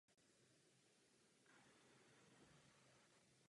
Alžírsko postoupilo do finálové fáze.